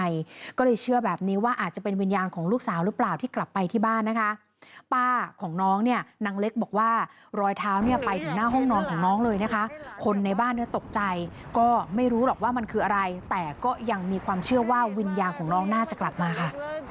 อยู่ในห้องนอนของน้องเลยนะคะคนในบ้านก็ตกใจก็ไม่รู้หรอกว่ามันคืออะไรแต่ก็ยังมีความเชื่อว่าวิญญาณของน้องน่าจะกลับมาค่ะ